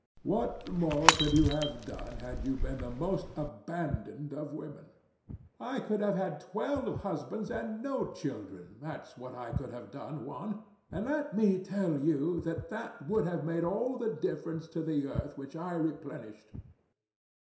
What more could you have done had you been the most abandoned of women? ANA. I could have had twelve husbands and no children that's what I could have done, Juan. And let me tell you that that would have made all the difference to the earth which I replenished.